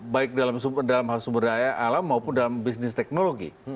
baik dalam hal sumber daya alam maupun dalam bisnis teknologi